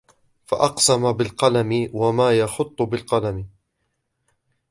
فَأَقْسَمَ بِالْقَلَمِ وَمَا يُخَطُّ بِالْقَلَمِ